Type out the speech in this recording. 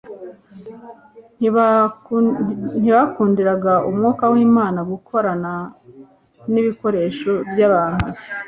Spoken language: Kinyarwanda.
Ntibakundiraga Umwuka w'Imana gukorana n'ibikoresho by'abantu